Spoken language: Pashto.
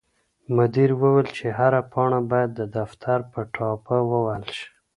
مدیر وویل چې هره پاڼه باید د دفتر په ټاپه ووهل شي.